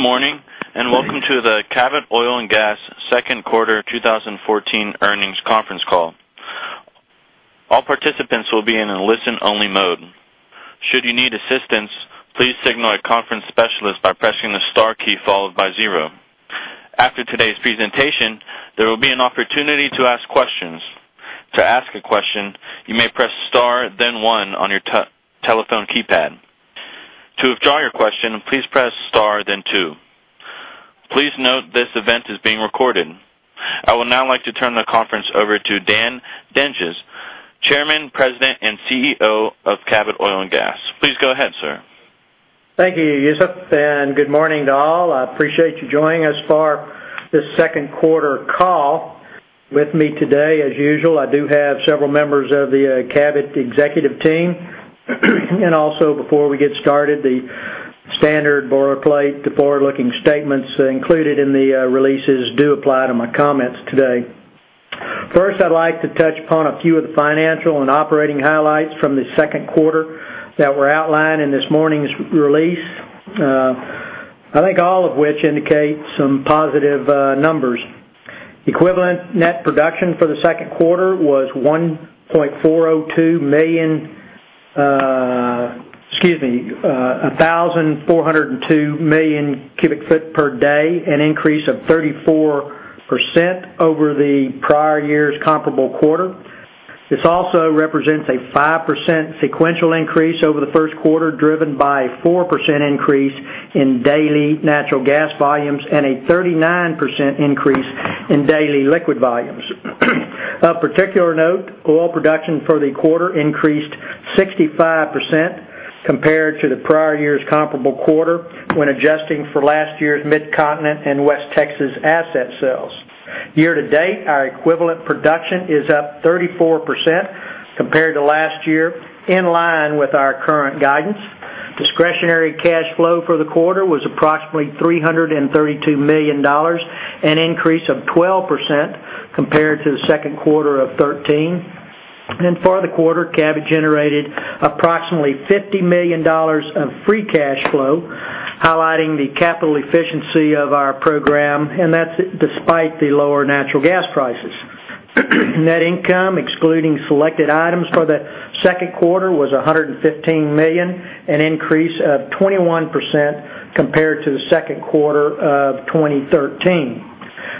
Good morning, and welcome to the Cabot Oil & Gas second quarter 2014 earnings conference call. All participants will be in a listen-only mode. Should you need assistance, please signal a conference specialist by pressing the star key followed by 0. After today's presentation, there will be an opportunity to ask questions. To ask a question, you may press star then 1 on your telephone keypad. To withdraw your question, please press star then 2. Please note this event is being recorded. I would now like to turn the conference over to Dan Dinges, Chairman, President, and CEO of Cabot Oil & Gas. Please go ahead, sir. Thank you, Yusuf. Good morning to all. I appreciate you joining us for this second quarter call. With me today, as usual, I do have several members of the Cabot executive team. Also before we get started, the standard boilerplate, the forward-looking statements included in the releases do apply to my comments today. First, I'd like to touch upon a few of the financial and operating highlights from the second quarter that were outlined in this morning's release, I think all of which indicate some positive numbers. Equivalent net production for the second quarter was 1,402 million cubic feet per day, an increase of 34% over the prior year's comparable quarter. This also represents a 5% sequential increase over the first quarter, driven by a 4% increase in daily natural gas volumes and a 39% increase in daily liquid volumes. Of particular note, oil production for the quarter increased 65% compared to the prior year's comparable quarter when adjusting for last year's Mid-Continent and West Texas asset sales. Year-to-date, our equivalent production is up 34% compared to last year, in line with our current guidance. Discretionary cash flow for the quarter was approximately $332 million, an increase of 12% compared to the second quarter of 2013. For the quarter, Cabot generated approximately $50 million of free cash flow, highlighting the capital efficiency of our program, and that's despite the lower natural gas prices. Net income, excluding selected items for the second quarter, was $115 million, an increase of 21% compared to the second quarter of 2013.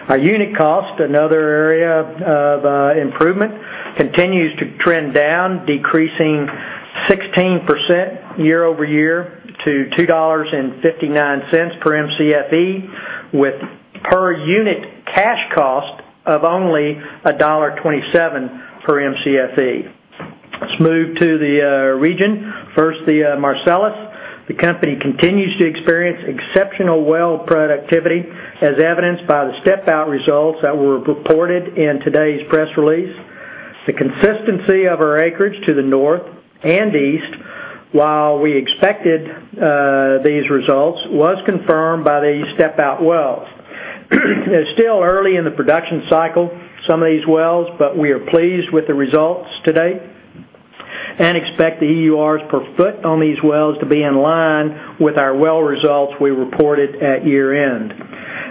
Our unit cost, another area of improvement, continues to trend down, decreasing 16% year-over-year to $2.59 per Mcfe, with per unit cash cost of only $1.27 per Mcfe. Let's move to the region. First, the Marcellus. The company continues to experience exceptional well productivity, as evidenced by the step-out results that were reported in today's press release. The consistency of our acreage to the north and east, while we expected these results, was confirmed by the step-out wells. It's still early in the production cycle, some of these wells, but we are pleased with the results to date and expect the EURs per foot on these wells to be in line with our well results we reported at year-end.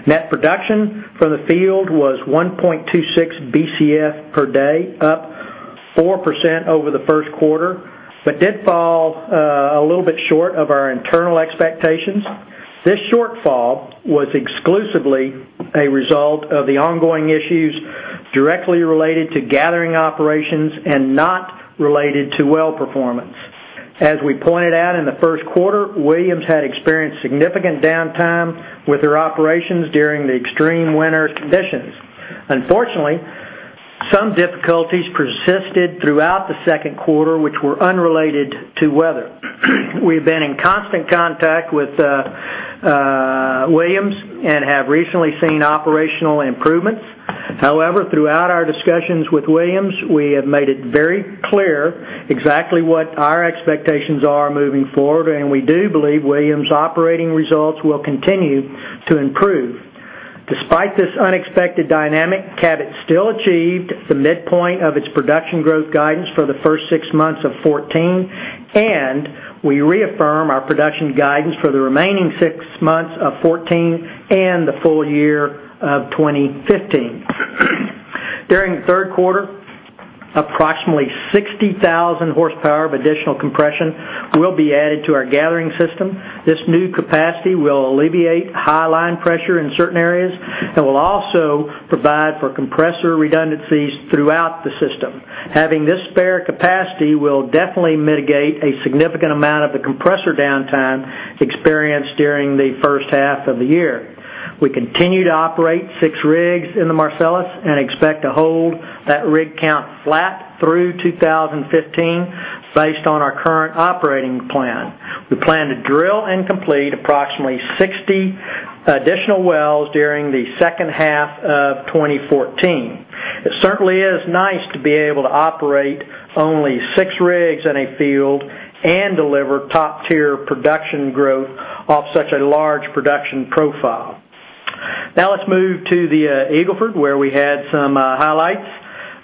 Net production for the field was 1.26 Bcf per day, up 4% over the first quarter, but did fall a little bit short of our internal expectations. This shortfall was exclusively a result of the ongoing issues directly related to gathering operations and not related to well performance. As we pointed out in the first quarter, Williams had experienced significant downtime with their operations during the extreme winter conditions. Unfortunately, some difficulties persisted throughout the second quarter, which were unrelated to weather. We've been in constant contact with Williams and have recently seen operational improvements. However, throughout our discussions with Williams, we have made it very clear exactly what our expectations are moving forward, and we do believe Williams' operating results will continue to improve. Despite this unexpected dynamic, Cabot still achieved the midpoint of its production growth guidance for the first six months of 2014, and we reaffirm our production guidance for the remaining six months of 2014 and the full year of 2015. During the third quarter, approximately 60,000 horsepower of additional compression will be added to our gathering system. This new capacity will alleviate high line pressure in certain areas and will also provide for compressor redundancies throughout the system. Having this spare capacity will definitely mitigate a significant amount of the compressor downtime experienced during the first half of the year. We continue to operate six rigs in the Marcellus and expect to hold that rig count flat through 2015 based on our current operating plan. We plan to drill and complete approximately 60 additional wells during the second half of 2014. It certainly is nice to be able to operate only six rigs in a field and deliver top-tier production growth off such a large production profile. Let's move to the Eagle Ford, where we had some highlights.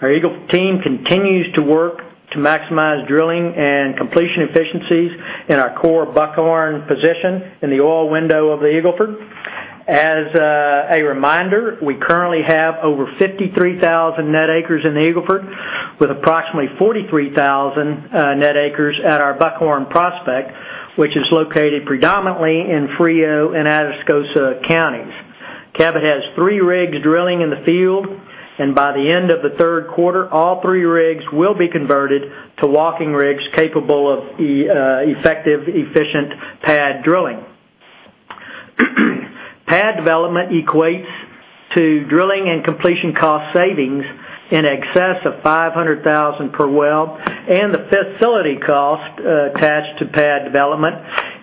Our Eagle team continues to work to maximize drilling and completion efficiencies in our core Buckhorn position in the oil window of the Eagle Ford. As a reminder, we currently have over 53,000 net acres in the Eagle Ford, with approximately 43,000 net acres at our Buckhorn prospect, which is located predominantly in Frio and Atascosa counties. Cabot has three rigs drilling in the field, By the end of the third quarter, all three rigs will be converted to walking rigs capable of effective, efficient pad drilling. Pad development equates to drilling and completion cost savings in excess of $500,000 per well. The facility cost attached to pad development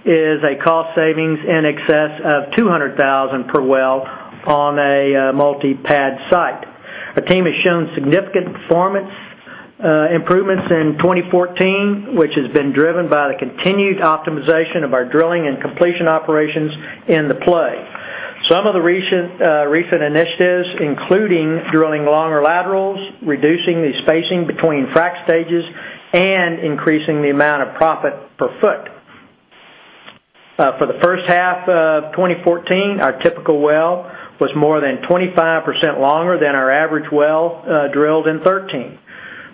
is a cost savings in excess of $200,000 per well on a multi-pad site. Our team has shown significant performance improvements in 2014, which has been driven by the continued optimization of our drilling and completion operations in the play. Some of the recent initiatives, including drilling longer laterals, reducing the spacing between frack stages, and increasing the amount of proppant per foot. For the first half of 2014, our typical well was more than 25% longer than our average well drilled in 2013.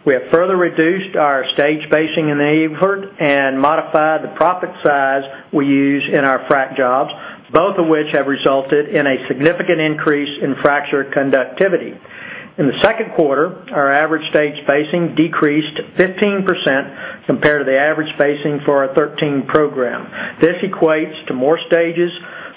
We have further reduced our stage spacing in the Eagle Ford and modified the proppant size we use in our frack jobs, both of which have resulted in a significant increase in fracture conductivity. In the second quarter, our average stage spacing decreased 15% compared to the average spacing for our 2013 program. This equates to more stages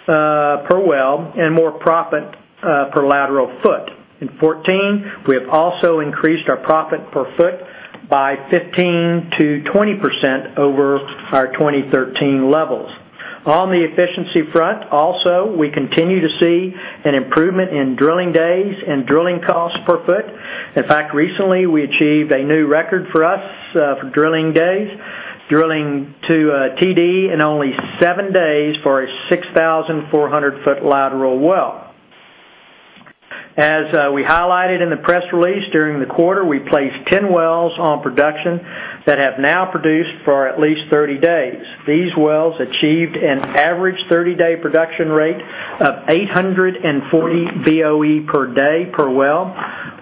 per well and more proppant per lateral foot. In 2014, we have also increased our proppant per foot by 15%-20% over our 2013 levels. On the efficiency front, also, we continue to see an improvement in drilling days and drilling costs per foot. In fact, recently, we achieved a new record for us for drilling days, drilling to TD in only seven days for a 6,400-foot lateral well. As we highlighted in the press release, during the quarter, we placed 10 wells on production that have now produced for at least 30 days. These wells achieved an average 30-day production rate of 840 BOE per day per well,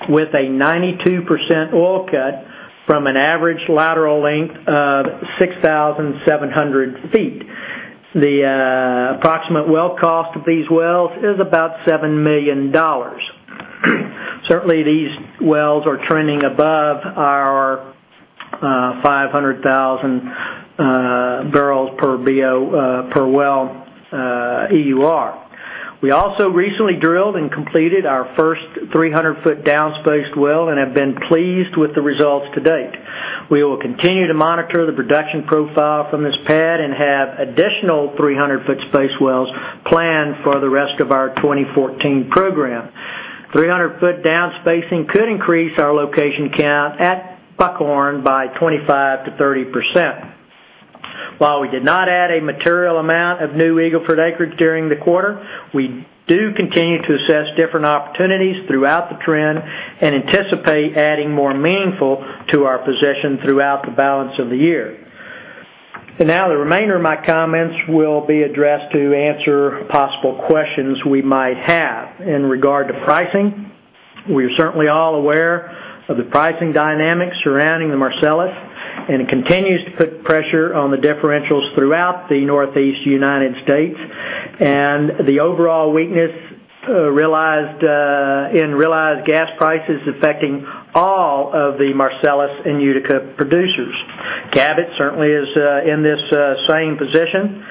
with a 92% oil cut from an average lateral length of 6,700 feet. The approximate well cost of these wells is about $7 million. Certainly, these wells are trending above our 500,000 barrels per well EUR. We also recently drilled and completed our first 300-foot down spaced well and have been pleased with the results to date. We will continue to monitor the production profile from this pad and have additional 300-foot space wells planned for the rest of our 2014 program. 300-foot down spacing could increase our location count at Buckhorn by 25%-30%. While we did not add a material amount of new Eagle Ford acreage during the quarter, we do continue to assess different opportunities throughout the trend and anticipate adding more meaningful to our position throughout the balance of the year. The remainder of my comments will be addressed to answer possible questions we might have. In regard to pricing, we are certainly all aware of the pricing dynamics surrounding the Marcellus, and it continues to put pressure on the differentials throughout the Northeast U.S. and the overall weakness in realized gas prices affecting all of the Marcellus and Utica producers. Cabot certainly is in this same position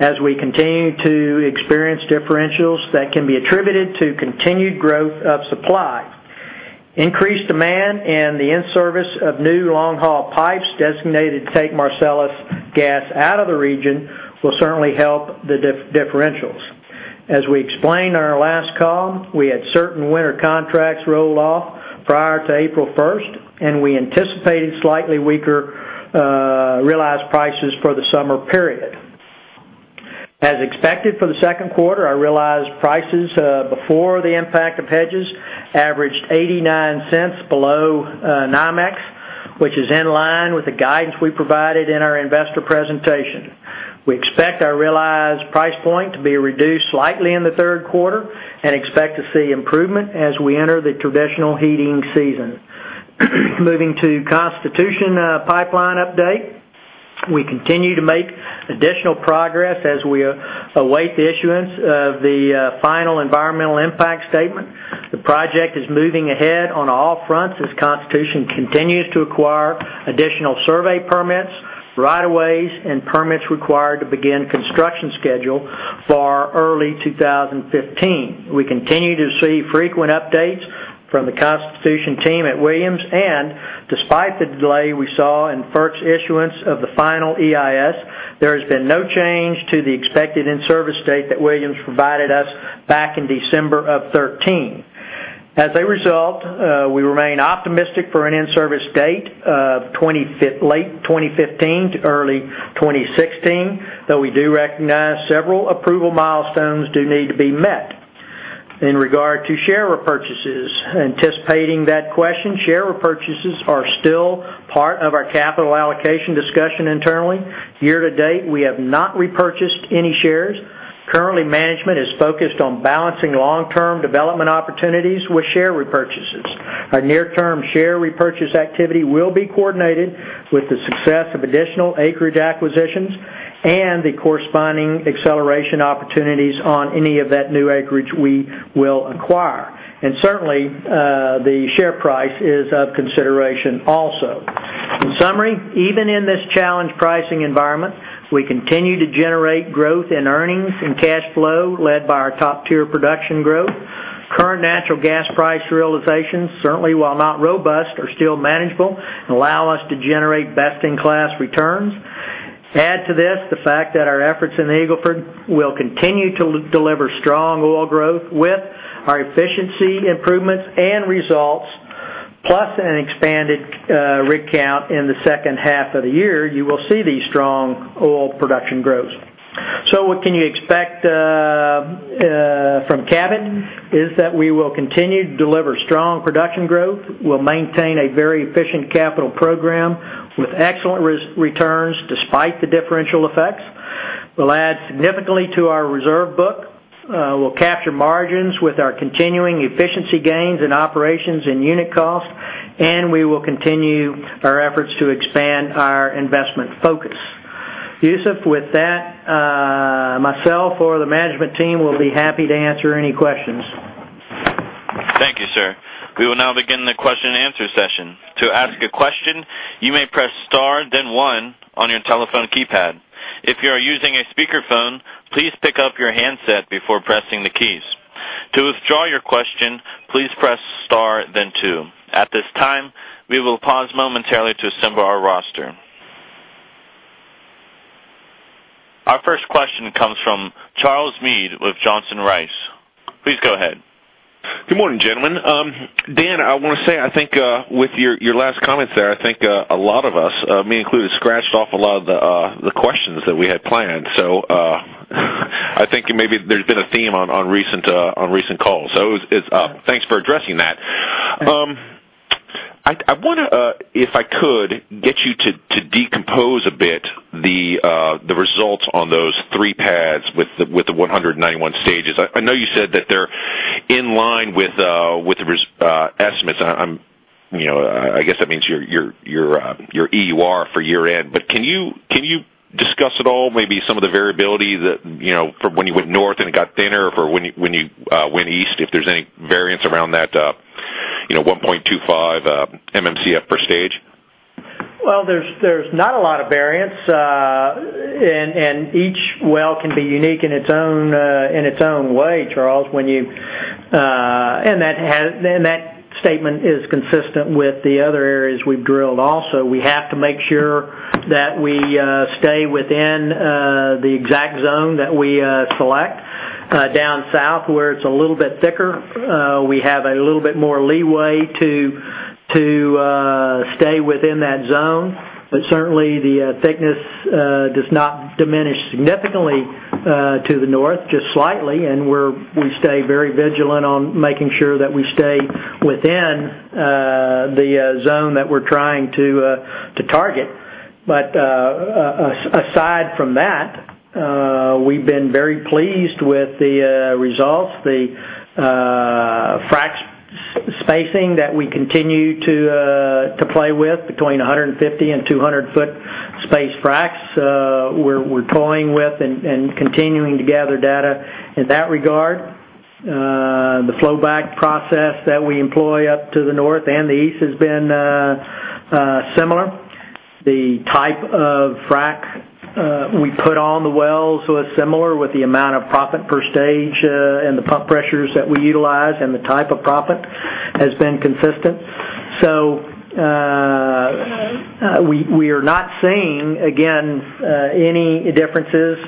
as we continue to experience differentials that can be attributed to continued growth of supply. Increased demand and the in-service of new long-haul pipes designated to take Marcellus gas out of the region will certainly help the differentials. As we explained on our last call, we had certain winter contracts roll off prior to April 1st, and we anticipated slightly weaker realized prices for the summer period. As expected for the second quarter, our realized prices before the impact of hedges averaged $0.89 below NYMEX, which is in line with the guidance we provided in our investor presentation. We expect our realized price point to be reduced slightly in the third quarter and expect to see improvement as we enter the traditional heating season. Moving to Constitution Pipeline update. We continue to make additional progress as we await the issuance of the final environmental impact statement. The project is moving ahead on all fronts as Constitution continues to acquire additional survey permits, rights-of-way, and permits required to begin construction schedule for early 2015. We continue to see frequent updates from the Constitution team at Williams, and despite the delay we saw in FERC's issuance of the final EIS, there has been no change to the expected in-service date that Williams provided us back in December of 2013. As a result, we remain optimistic for an in-service date of late 2015 to early 2016, though we do recognize several approval milestones do need to be met. In regard to share repurchases, anticipating that question, share repurchases are still part of our capital allocation discussion internally. Year to date, we have not repurchased any shares. Currently, management is focused on balancing long-term development opportunities with share repurchases. Our near-term share repurchase activity will be coordinated with the success of additional acreage acquisitions and the corresponding acceleration opportunities on any of that new acreage we will acquire. Certainly, the share price is of consideration also. In summary, even in this challenged pricing environment, we continue to generate growth in earnings and cash flow led by our top-tier production growth. Current natural gas price realization, certainly while not robust, are still manageable and allow us to generate best-in-class returns. Add to this the fact that our efforts in the Eagle Ford will continue to deliver strong oil growth with our efficiency improvements and results, plus an expanded rig count in the second half of the year, you will see these strong oil production growths. What can you expect from Cabot is that we will continue to deliver strong production growth. We'll maintain a very efficient capital program with excellent returns despite the differential effects. We'll add significantly to our reserve book. We'll capture margins with our continuing efficiency gains in operations and unit costs, and we will continue our efforts to expand our investment focus. Yusuf, with that, myself or the management team will be happy to answer any questions. Thank you, sir. We will now begin the question and answer session. To ask a question, you may press star then one on your telephone keypad. If you are using a speakerphone, please pick up your handset before pressing the keys. To withdraw your question, please press star then two. At this time, we will pause momentarily to assemble our roster. Our first question comes from Charles Meade with Johnson Rice. Please go ahead. Good morning, gentlemen. Dan, I want to say, I think with your last comments there, I think a lot of us, me included, scratched off a lot of the questions that we had planned. I think maybe there's been a theme on recent calls. Thanks for addressing that. I wonder if I could get you to decompose a bit the results on those three pads with the 191 stages. I know you said that they're in line with the estimates. I guess that means your EUR for year-end. But can you discuss at all maybe some of the variability that from when you went north and it got thinner, for when you went east, if there's any variance around that 1.25 MMcf per stage? Well, there's not a lot of variance. Each well can be unique in its own way, Charles. That statement is consistent with the other areas we've drilled also. We have to make sure that we stay within the exact zone that we select. Down south, where it's a little bit thicker, we have a little bit more leeway to stay within that zone. Certainly, the thickness does not diminish significantly to the north, just slightly, and we stay very vigilant on making sure that we stay within the zone that we're trying to target. Aside from that, we've been very pleased with the results. The frack spacing that we continue to play with between 150 and 200 foot space fracks, we're toying with and continuing to gather data in that regard. The flow back process that we employ up to the north and the east has been similar. The type of frack we put on the wells was similar with the amount of proppant per stage and the pump pressures that we utilize and the type of proppant has been consistent. We are not seeing, again, any differences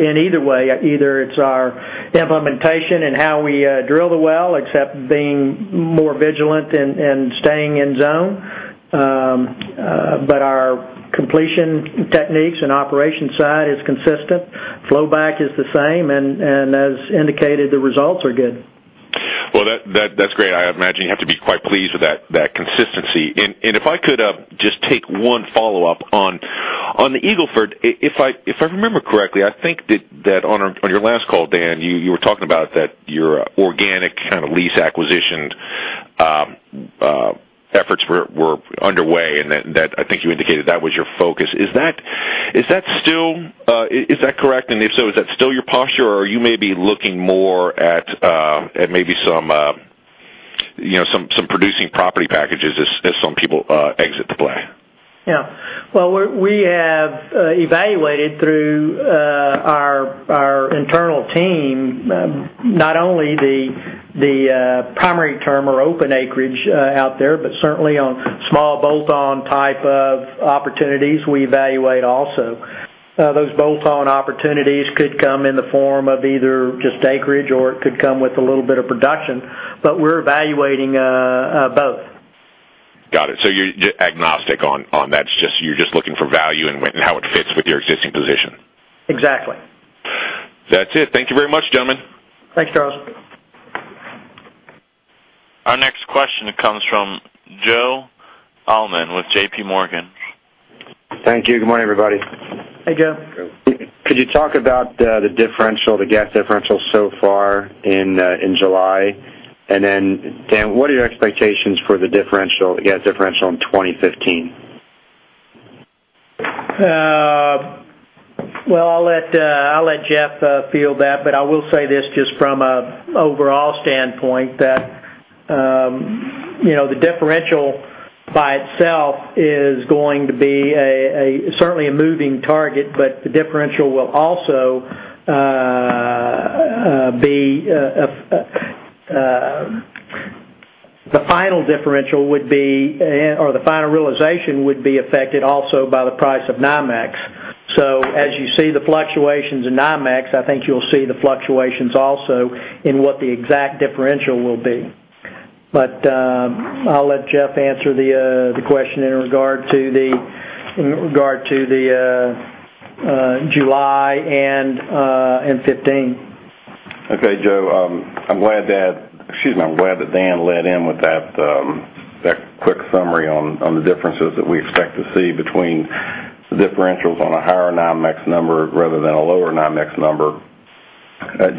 in either way. Either it's our implementation and how we drill the well, except being more vigilant and staying in zone. Our completion techniques and operation side is consistent. Flow back is the same, and as indicated, the results are good. Well, that's great. I imagine you have to be quite pleased with that consistency. If I could just take one follow-up on the Eagle Ford. If I remember correctly, I think that on your last call, Dan, you were talking about that your organic lease acquisition efforts were underway, and that I think you indicated that was your focus. Is that correct? If so, is that still your posture, or you may be looking more at maybe some producing property packages as some people exit the play? Yeah. Well, we have evaluated through our internal team, not only the primary term or open acreage out there, certainly on small bolt-on type of opportunities, we evaluate also. Those bolt-on opportunities could come in the form of either just acreage or it could come with a little bit of production, we're evaluating both. Got it. You're agnostic on that. You're just looking for value and how it fits with your existing position. Exactly. That's it. Thank you very much, gentlemen. Thanks, Charles. Our next question comes from Joe Allman with JPMorgan. Thank you. Good morning, everybody. Hey, Joe. Could you talk about the differential, the gas differential so far in July? Then Dan, what are your expectations for the gas differential in 2015? Well, I'll let Jeff field that, but I will say this just from an overall standpoint, that the differential by itself is going to be certainly a moving target, but the final realization would be affected also by the price of NYMEX. As you see the fluctuations in NYMEX, I think you'll see the fluctuations also in what the exact differential will be. I'll let Jeff answer the question in regard to the July and 2015. Okay, Joe. I'm glad that Dan led in with that quick summary on the differences that we expect to see between the differentials on a higher NYMEX number rather than a lower NYMEX number.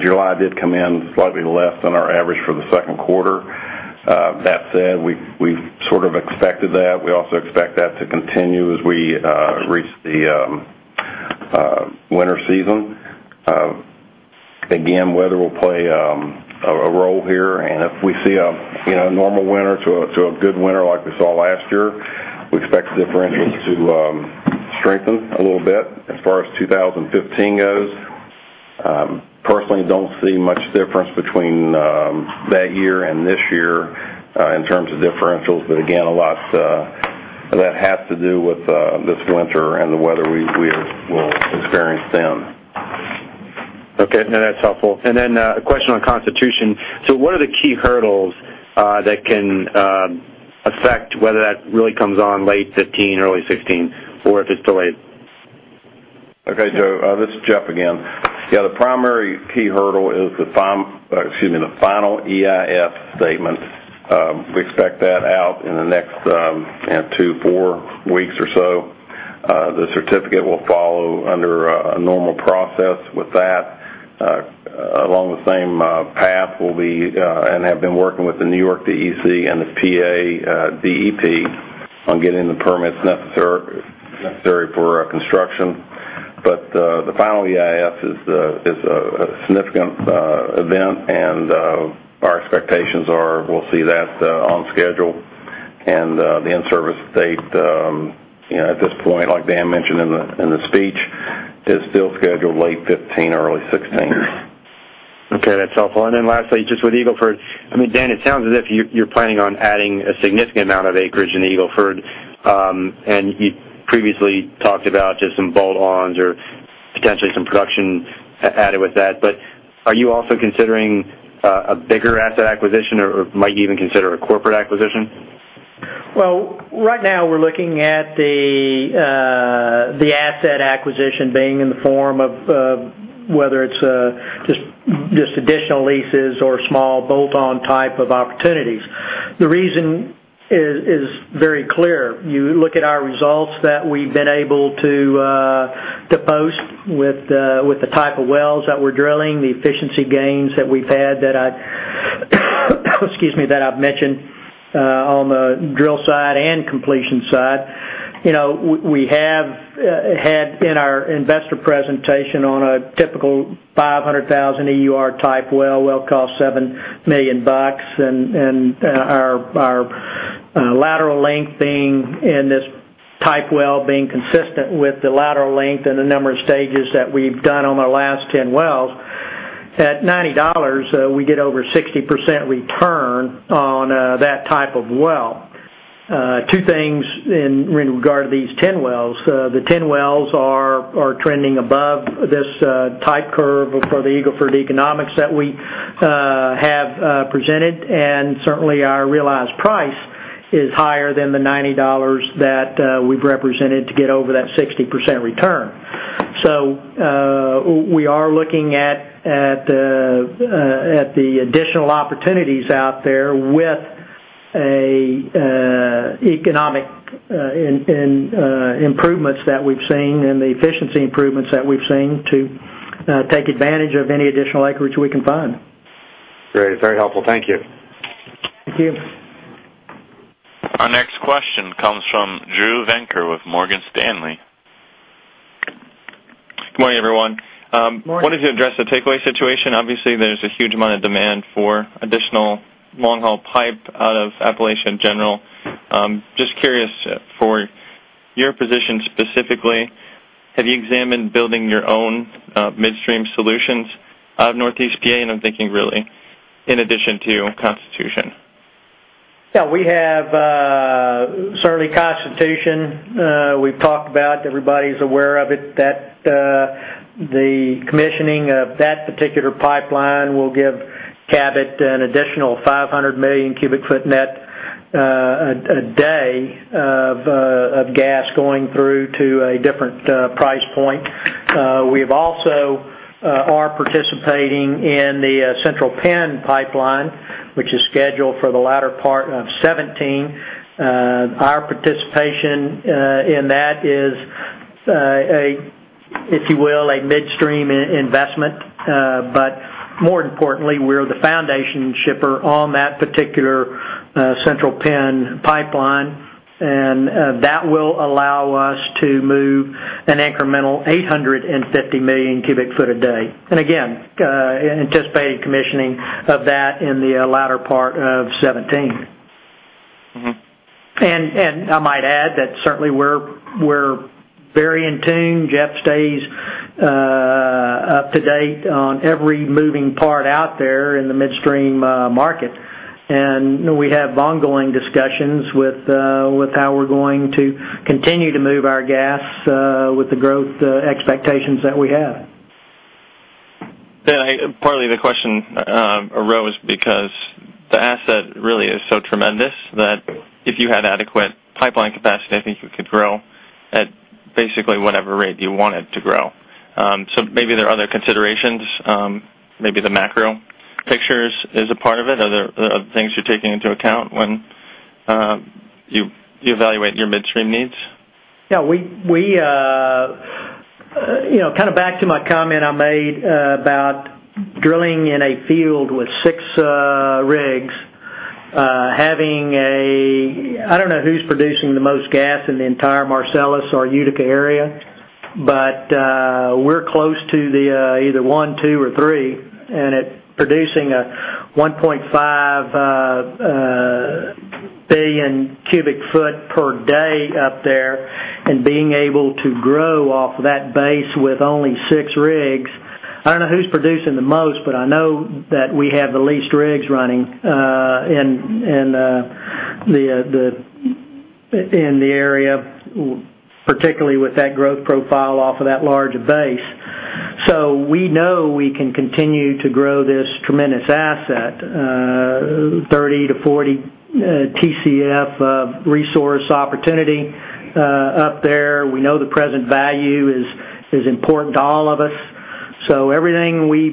July did come in slightly less than our average for the second quarter. That said, we've sort of expected that. We also expect that to continue as we reach the winter season. Again, weather will play a role here, and if we see a normal winter to a good winter like we saw last year, we expect the differentials to strengthen a little bit. As far as 2015 goes, personally don't see much difference between that year and this year in terms of differentials. Again, a lot of that has to do with this winter and the weather we will experience then. Okay. No, that's helpful. A question on Constitution. What are the key hurdles that can affect whether that really comes on late 2015, early 2016, or if it's delayed? Okay, Joe, this is Jeff again. The primary key hurdle is the final EIS statement. We expect that out in the next two to four weeks or so. The certificate will follow under a normal process with that. Along the same path, we'll be, and have been working with the New York DEC and the PA DEP on getting the permits necessary for construction. The final EIS is a significant event, and our expectations are we'll see that on schedule, and the in-service date at this point, like Dan mentioned in the speech, is still scheduled late 2015, early 2016. Okay, that's helpful. Lastly, just with Eagle Ford. Dan, it sounds as if you're planning on adding a significant amount of acreage in Eagle Ford, and you previously talked about just some bolt-ons or potentially some production added with that. Are you also considering a bigger asset acquisition, or might you even consider a corporate acquisition? Right now we're looking at the asset acquisition being in the form of whether it's just additional leases or small bolt-on type of opportunities. The reason is very clear. You look at our results that we've been able to post with the type of wells that we're drilling, the efficiency gains that we've had that I've mentioned on the drill side and completion side. We have had in our investor presentation on a typical 500,000 EUR type well, will cost $7 million, and our lateral length in this type well being consistent with the lateral length and the number of stages that we've done on our last 10 wells. At $90, we get over 60% return on that type of well. Two things in regard to these 10 wells. The 10 wells are trending above this type curve for the Eagle Ford economics that we have presented. Certainly our realized price is higher than the $90 that we've represented to get over that 60% return. We are looking at the additional opportunities out there with economic improvements that we've seen and the efficiency improvements that we've seen to take advantage of any additional acreage we can find. Great. Very helpful. Thank you. Thank you. Our next question comes from Drew Venker with Morgan Stanley. Good morning, everyone. Morning. I wanted to address the takeaway situation. Obviously, there's a huge amount of demand for additional long-haul pipe out of Appalachian in general. Just curious for your position specifically, have you examined building your own midstream solutions out of Northeast P.A.? I'm thinking really in addition to Constitution. Yeah. Certainly Constitution, we've talked about, everybody's aware of it that The commissioning of that particular pipeline will give Cabot an additional 500 million cubic foot net a day of gas going through to a different price point. We also are participating in the Central Penn pipeline, which is scheduled for the latter part of 2017. Our participation in that is, if you will, a midstream investment. More importantly, we're the foundation shipper on that particular Central Penn pipeline, and that will allow us to move an incremental 850 million cubic foot a day. Again, anticipating commissioning of that in the latter part of 2017. I might add that certainly we're very in tune. Jeff stays up to date on every moving part out there in the midstream market. We have ongoing discussions with how we're going to continue to move our gas with the growth expectations that we have. Partly the question arose because the asset really is so tremendous that if you had adequate pipeline capacity, I think you could grow at basically whatever rate you want it to grow. Maybe there are other considerations. Maybe the macro picture is a part of it. Are there other things you're taking into account when you evaluate your midstream needs? Back to my comment I made about drilling in a field with six rigs, I don't know who's producing the most gas in the entire Marcellus or Utica area, but we're close to either one, two, or three. It's producing a 1.5 billion cubic foot per day up there, being able to grow off that base with only six rigs. I don't know who's producing the most, but I know that we have the least rigs running in the area, particularly with that growth profile off of that large a base. We know we can continue to grow this tremendous asset, 30 to 40 TCF of resource opportunity up there. We know the present value is important to all of us. Everything we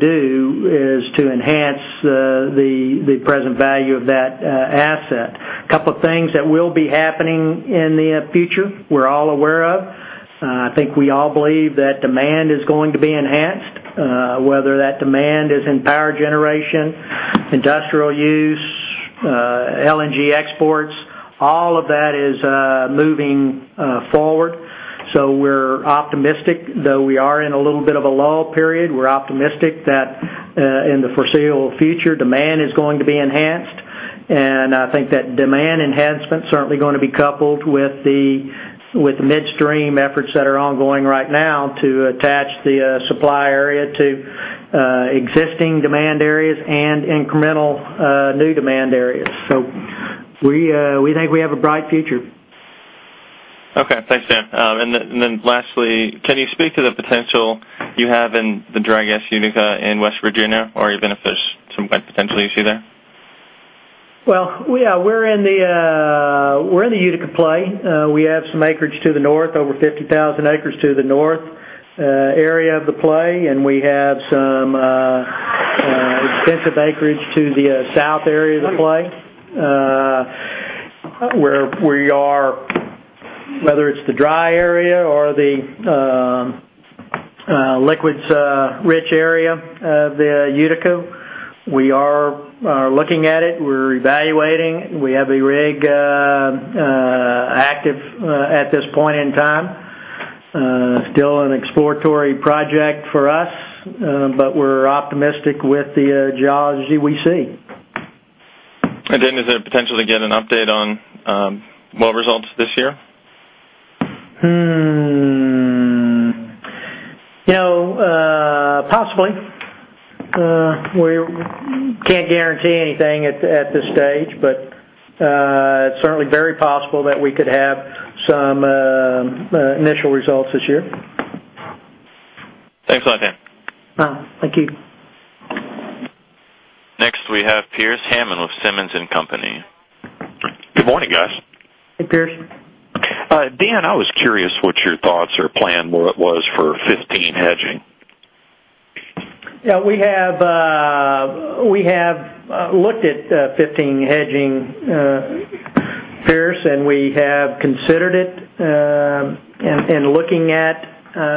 do is to enhance the present value of that asset. A couple of things that will be happening in the future we're all aware of. I think we all believe that demand is going to be enhanced, whether that demand is in power generation, industrial use, LNG exports. All of that is moving forward, we're optimistic. Though we are in a little bit of a lull period, we're optimistic that in the foreseeable future, demand is going to be enhanced. I think that demand enhancement's certainly going to be coupled with midstream efforts that are ongoing right now to attach the supply area to existing demand areas and incremental new demand areas. We think we have a bright future. Okay. Thanks, Dan. Lastly, can you speak to the potential you have in the dry gas Utica in West Virginia, or even if there's some potential you see there? Well, we're in the Utica play. We have some acreage to the north, over 50,000 acres to the north area of the play, we have some extensive acreage to the south area of the play, where we are, whether it's the dry area or the liquids-rich area of the Utica. We are looking at it. We're evaluating. We have a rig active at this point in time. Still an exploratory project for us, but we're optimistic with the geology we see. Is there potential to get an update on well results this year? Possibly. We can't guarantee anything at this stage, but it's certainly very possible that we could have some initial results this year. Thanks a lot, Dan. Thank you. Next, we have Pearce Hammond with Simmons & Company. Good morning, guys. Hey, Pearce. Dan, I was curious what your thoughts or plan was for 2015 hedging. Yeah, we have looked at 2015 hedging, Pearce, and we have considered it, and looking at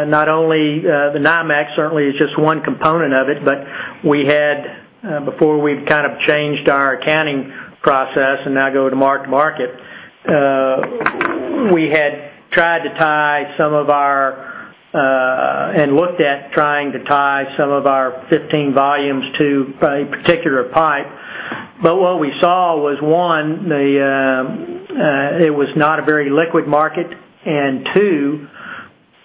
not only the NYMEX, certainly is just one component of it, but we had, before we've changed our accounting process and now go to mark-to-market, we had tried to tie some of our, and looked at trying to tie some of our 2015 volumes to a particular pipe. What we saw was, one, it was not a very liquid market, and two,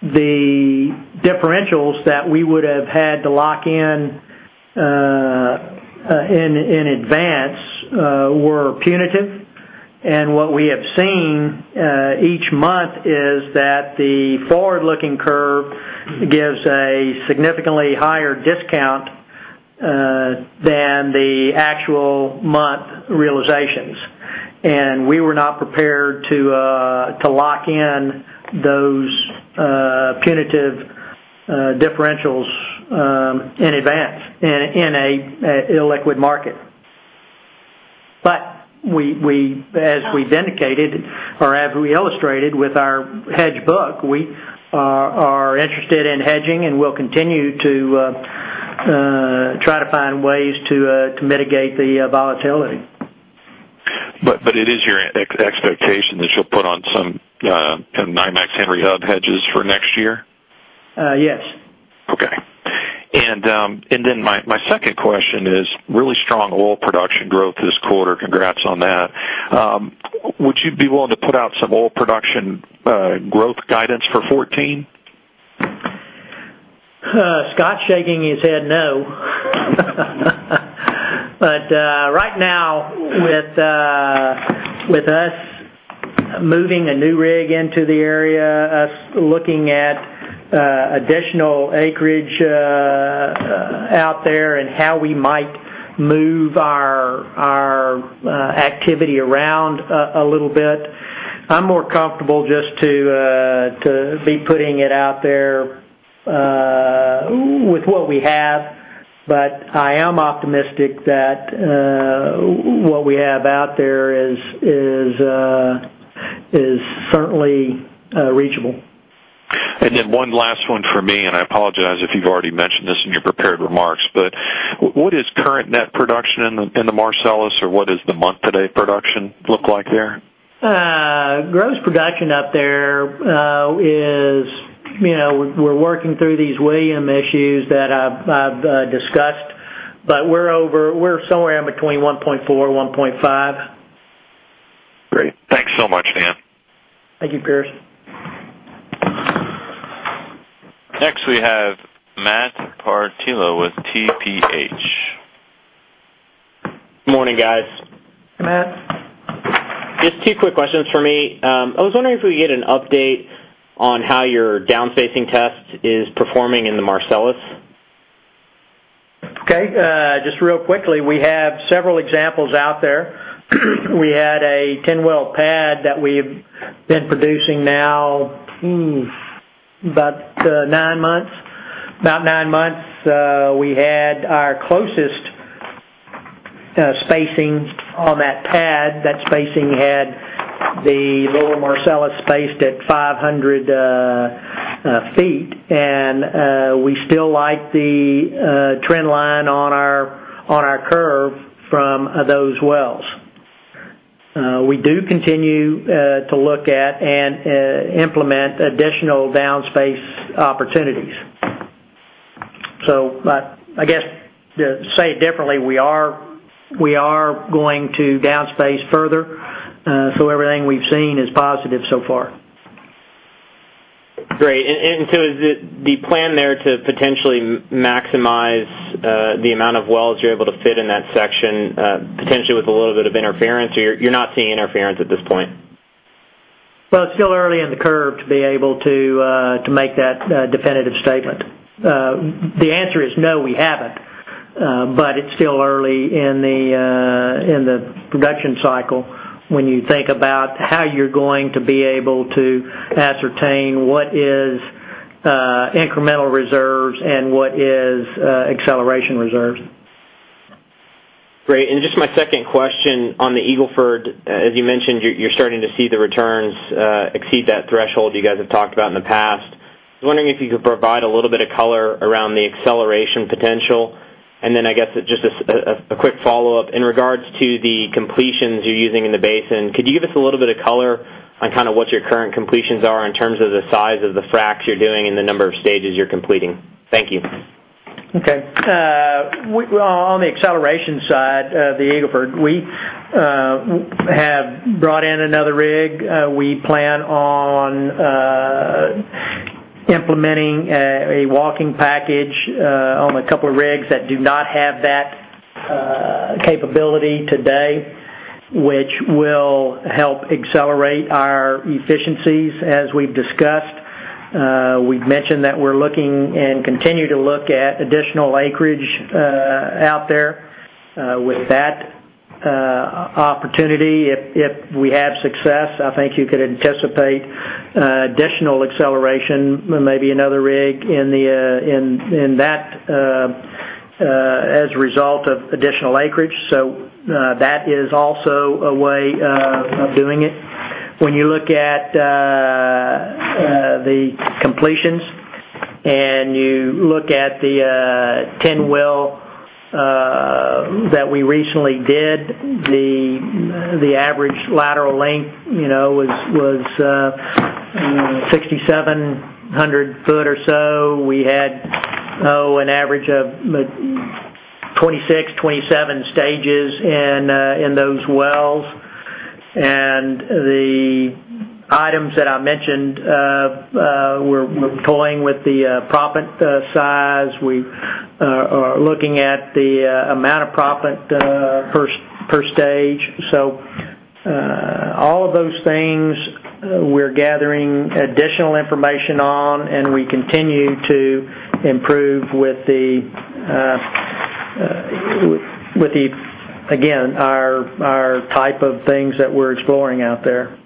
the differentials that we would have had to lock in advance were punitive, and what we have seen each month is that the forward-looking curve gives a significantly higher discount than the actual month realizations. We were not prepared to lock in those punitive differentials in advance in an illiquid market. As we've indicated, or as we illustrated with our hedge book, we are interested in hedging and will continue to try to find ways to mitigate the volatility. It is your expectation that you'll put on some NYMEX Henry Hub hedges for next year? Yes. Okay. My second question is really strong oil production growth this quarter. Congrats on that. Would you be willing to put out some oil production growth guidance for 2014? Scott's shaking his head no. Right now, with us moving a new rig into the area, us looking at additional acreage out there, and how we might move our activity around a little bit, I'm more comfortable just to be putting it out there with what we have. I am optimistic that what we have out there is certainly reachable. One last one from me, and I apologize if you've already mentioned this in your prepared remarks, what is current net production in the Marcellus or what does the month-to-date production look like there? Gross production up there is we're working through these Williams issues that I've discussed, but we're somewhere in between 1.4, 1.5. Great. Thanks so much, Dan. Thank you, Pearce. Next, we have Matt Portillo with TPH. Good morning, guys. Matt. Two quick questions from me. I was wondering if we could get an update on how your down-spacing test is performing in the Marcellus. Okay. Real quickly, we have several examples out there. We had a 10-well pad that we've been producing now about nine months. We had our closest spacing on that pad. That spacing had the lower Marcellus spaced at 500 feet, we still like the trend line on our curve from those wells. We do continue to look at and implement additional down-space opportunities. I guess to say it differently, we are going to down space further, everything we've seen is positive so far. Great. Is the plan there to potentially maximize the amount of wells you're able to fit in that section, potentially with a little bit of interference? You're not seeing interference at this point? It's still early in the curve to be able to make that definitive statement. The answer is no, we haven't. It's still early in the production cycle when you think about how you're going to be able to ascertain what is incremental reserves and what is acceleration reserves. Great. Just my second question on the Eagle Ford, as you mentioned, you're starting to see the returns exceed that threshold you guys have talked about in the past. I was wondering if you could provide a little bit of color around the acceleration potential, and then I guess just a quick follow-up in regards to the completions you're using in the basin. Could you give us a little bit of color on what your current completions are in terms of the size of the fracs you're doing and the number of stages you're completing? Thank you. Okay. On the acceleration side of the Eagle Ford, we have brought in another rig. We plan on implementing a walking package on a couple of rigs that do not have that capability today, which will help accelerate our efficiencies, as we've discussed. We've mentioned that we're looking and continue to look at additional acreage out there. With that opportunity, if we have success, I think you could anticipate additional acceleration, maybe another rig as a result of additional acreage. That is also a way of doing it. When you look at the completions and you look at the 10 well that we recently did, the average lateral length was 6,700 foot or so. We had an average of 26, 27 stages in those wells. Items that I mentioned, we're toying with the proppant size. We are looking at the amount of proppant per stage. All of those things, we're gathering additional information on, and we continue to improve with, again, our type of things that we're exploring out there.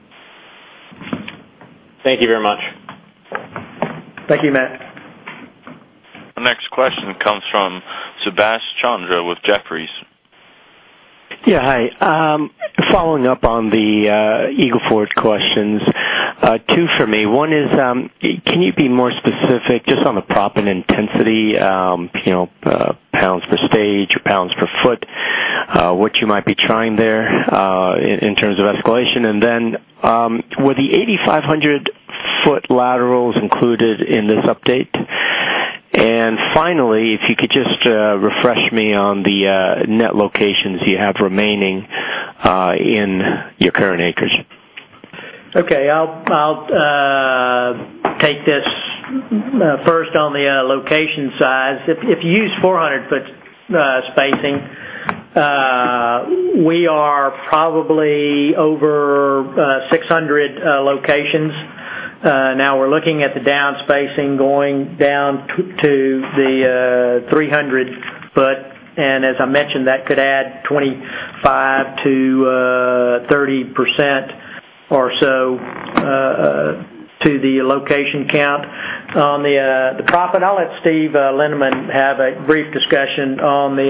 Thank you very much. Thank you, Matt. The next question comes from Subash Chandra with Jefferies. Yeah, hi. Following up on the Eagle Ford questions. Two for me. One is, can you be more specific just on the proppant intensity, pounds per stage or pounds per foot, what you might be trying there, in terms of escalation? And then, were the 8,500-foot laterals included in this update? And finally, if you could just refresh me on the net locations you have remaining in your current acres. Okay. I'll take this first on the location size. If you use 400-foot spacing, we are probably over 600 locations. We're looking at the down spacing going down to the 300 foot, and as I mentioned, that could add 25%-30% or so to the location count. On the proppant, I'll let Steve Lindeman have a brief discussion on the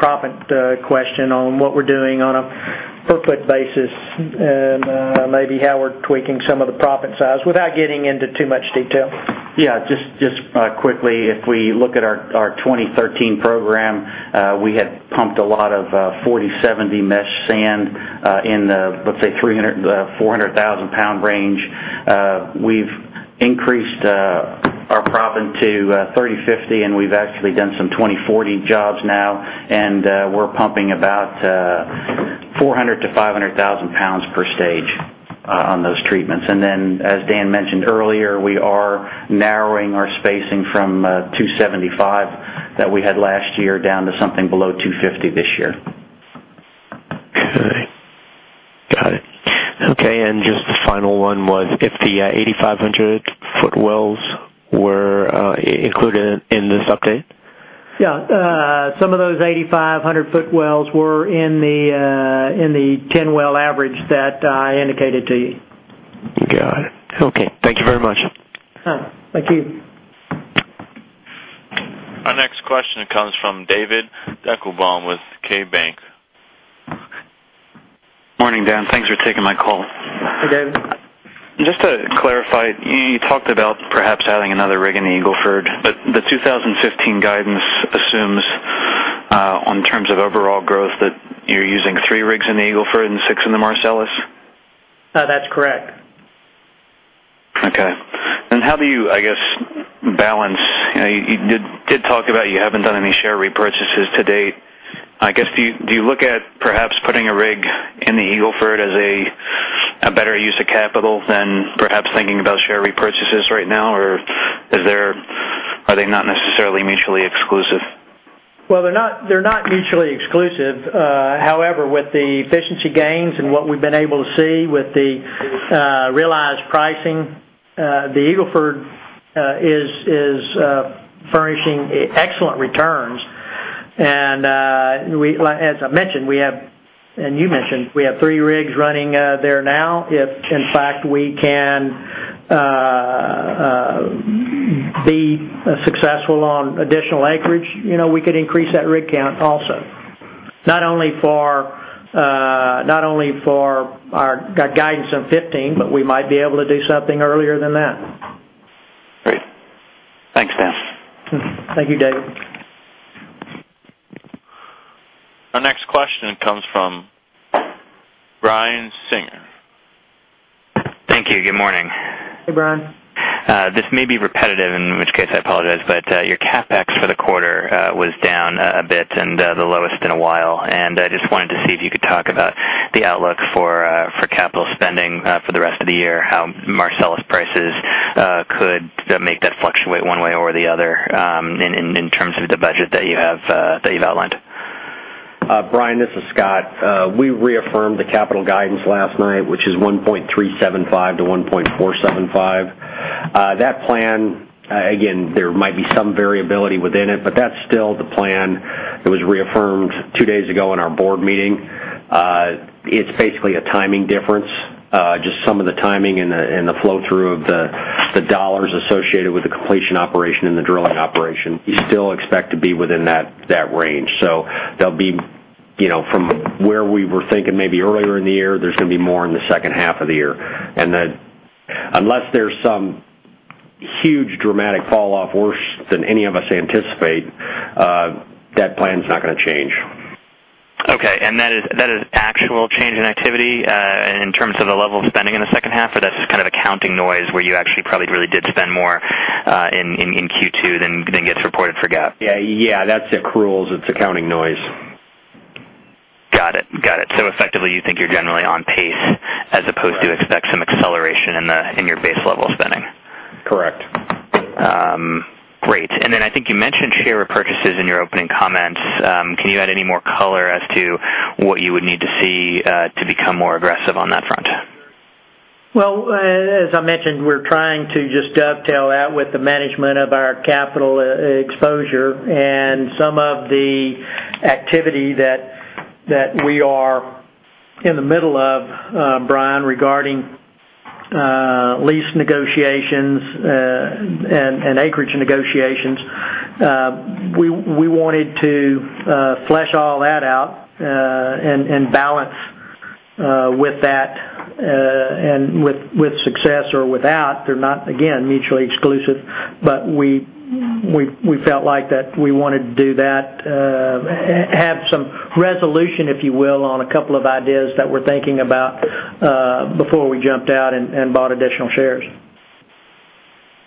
proppant question on what we're doing on a per-foot basis and maybe how we're tweaking some of the proppant size without getting into too much detail. Yeah, just quickly, if we look at our 2013 program, we had pumped a lot of 4070 mesh sand in the, let's say, 300,000-400,000-pound range. We've increased our proppant to 3050, and we've actually done some 2040 jobs now, and we're pumping about 400,000-500,000 pounds per stage on those treatments. As Dan mentioned earlier, we are narrowing our spacing from 275 that we had last year down to something below 250 this year. Okay. Got it. Just the final one was if the 8,500-foot wells were included in this update? Yeah. Some of those 8,500-foot wells were in the 10-well average that I indicated to you. Got it. Okay. Thank you very much. Thank you. Our next question comes from David Deckelbaum with KeyBanc. Morning, Dan. Thanks for taking my call. Hey, David. Just to clarify, you talked about perhaps having another rig in the Eagle Ford, but the 2015 guidance assumes, on terms of overall growth, that you're using three rigs in the Eagle Ford and six in the Marcellus? That's correct. Okay. How do you balance, you did talk about you haven't done any share repurchases to date. I guess, do you look at perhaps putting a rig in the Eagle Ford as a better use of capital than perhaps thinking about share repurchases right now, or are they not necessarily mutually exclusive? Well, they're not mutually exclusive. However, with the efficiency gains and what we've been able to see with the realized pricing, the Eagle Ford is furnishing excellent returns. As I mentioned, and you mentioned, we have three rigs running there now. If, in fact, we can be successful on additional acreage, we could increase that rig count also. Not only for our guidance in 2015, but we might be able to do something earlier than that. Great. Thanks, Dan. Thank you, David. Our next question comes from Brian Singer. Thank you. Good morning. Hey, Brian. This may be repetitive, in which case I apologize, your CapEx for the quarter was down a bit and the lowest in a while. I just wanted to see if you could talk about the outlook for capital spending for the rest of the year, how Marcellus prices could make that fluctuate one way or the other in terms of the budget that you've outlined. Brian, this is Scott. We reaffirmed the capital guidance last night, which is $1.375 billion-$1.475 billion. That plan, again, there might be some variability within it, that's still the plan that was reaffirmed two days ago in our board meeting. It's basically a timing difference, just some of the timing and the flow through of the dollars associated with the completion operation and the drilling operation. You still expect to be within that range. From where we were thinking maybe earlier in the year, there's going to be more in the second half of the year. Unless there's some huge dramatic fall off worse than any of us anticipate, that plan's not going to change. Okay, that is actual change in activity in terms of the level of spending in the second half, or that's just accounting noise where you actually? Yeah, that's accruals. It's accounting noise. Got it. Effectively, you think you're generally on pace as opposed- Right to expect some acceleration in your base level spending. Correct. Great. I think you mentioned share repurchases in your opening comments. Can you add any more color as to what you would need to see to become more aggressive on that front? Well, as I mentioned, we're trying to just dovetail that with the management of our capital exposure and some of the activity that we are in the middle of, Brian, regarding lease negotiations and acreage negotiations. We wanted to flesh all that out and balance with that, and with success or without. They're not, again, mutually exclusive, but we felt like that we wanted to do that, have some resolution, if you will, on a couple of ideas that we're thinking about before we jumped out and bought additional shares.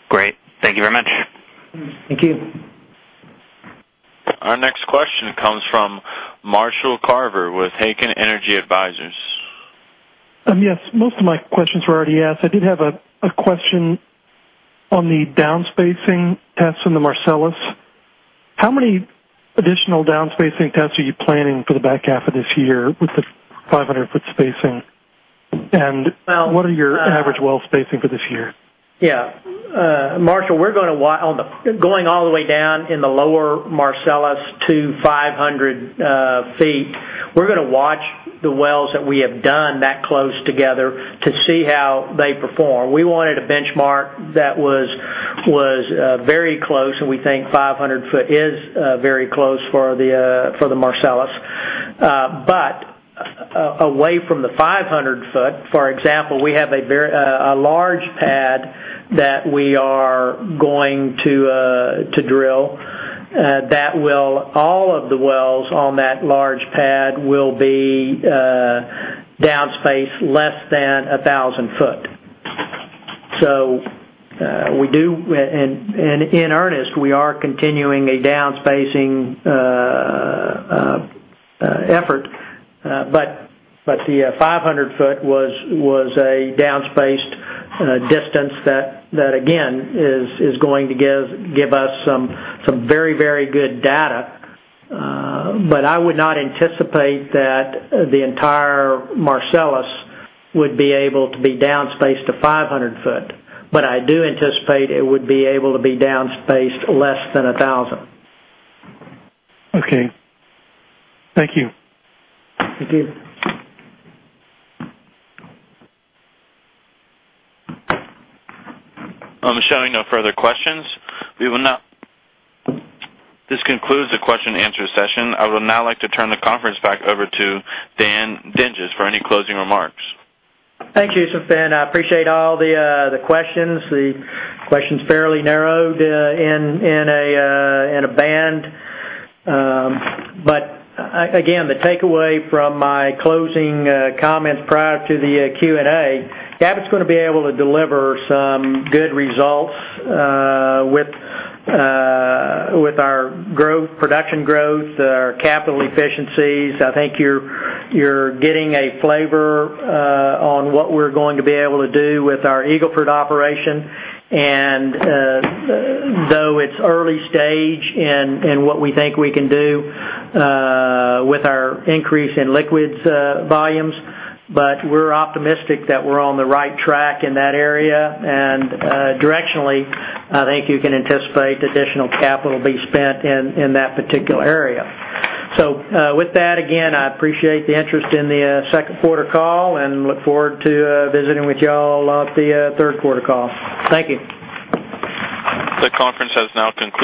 Great. Thank you very much. Thank you. Our next question comes from Marshall Carver with Heikkinen Energy Advisors. Yes, most of my questions were already asked. I did have a question on the downspacing tests in the Marcellus. How many additional downspacing tests are you planning for the back half of this year with the 500-foot spacing? What are your average well spacing for this year? Yeah. Marshall, we're going all the way down in the lower Marcellus to 500 feet. We're going to watch the wells that we have done that close together to see how they perform. We wanted a benchmark that was very close, and we think 500 foot is very close for the Marcellus. Away from the 500 foot, for example, we have a large pad that we are going to drill. All of the wells on that large pad will be downspaced less than 1,000 foot. In earnest, we are continuing a downspacing effort. The 500 foot was a downspaced distance that, again, is going to give us some very good data. I would not anticipate that the entire Marcellus would be able to be downspaced to 500 foot. I do anticipate it would be able to be downspaced less than 1,000. Okay. Thank you. Thank you. I'm showing no further questions. This concludes the question and answer session. I would now like to turn the conference back over to Dan Dinges for any closing remarks. Thank you, sir. Dan, I appreciate all the questions. Again, the takeaway from my closing comments prior to the Q&A, Cabot's going to be able to deliver some good results with our production growth, our capital efficiencies. I think you're getting a flavor on what we're going to be able to do with our Eagle Ford operation, and though it's early stage in what we think we can do with our increase in liquids volumes, but we're optimistic that we're on the right track in that area. Directionally, I think you can anticipate additional capital be spent in that particular area. With that, again, I appreciate the interest in the second quarter call, and look forward to visiting with you all at the third quarter call. Thank you. The conference has now concluded